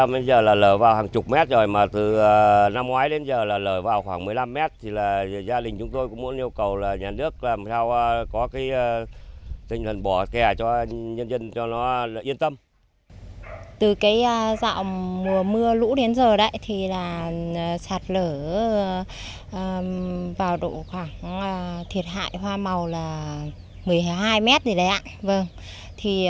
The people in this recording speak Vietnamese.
mùa mưa lũ đến giờ thì sạt lở vào độ khoảng thiệt hại hoa màu là một mươi hai mét